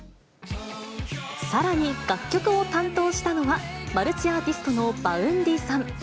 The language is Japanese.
さらに、楽曲を担当したのは、マルチアーティストのＶａｕｎｄｙさん。